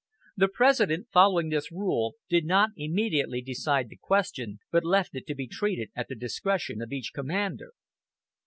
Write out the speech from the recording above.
The President, following this rule, did not immediately decide the question, but left it to be treated at the discretion of each commander.